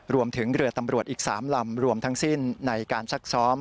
รวมถึงเรือตำรวจอีก๓ลำรวมทั้งสิ้นในการซักซ้อม